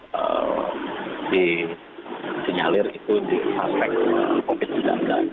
dengan penyelidikan yang masih nyalir itu di aspek covid sembilan belas